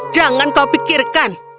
jangan kau pikirkan